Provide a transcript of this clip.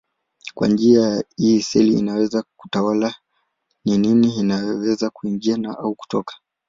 Kwa njia hii seli inaweza kutawala ni nini inayoweza kuingia au kutoka.